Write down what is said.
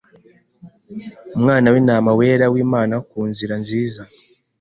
Umwana wintama wera wImana Ku nzuri nziza